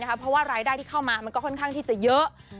เพราะว่ารายได้ที่เข้ามามันก็ค่อนข้างที่จะเยอะ